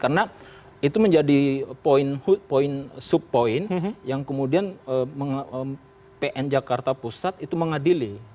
karena itu menjadi sub point yang kemudian pn jakarta pusat itu mengadili